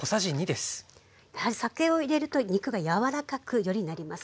酒を入れると肉が柔らかくよりなります。